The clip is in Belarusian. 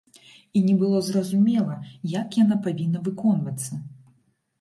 І не было зразумела, як яна павінна выконвацца.